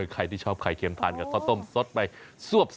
ใครที่ชอบไข่เข็มทานไข่ข้าวต้มซดไปสวบ